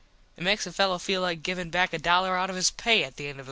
It makes a fello feel like givin back a dollar out of his pay at the end of the month.